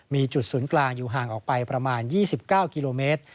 มีจุดศูนย์กลางอยู่ห่างออกไปประมาณ๒๙กิโลเมตร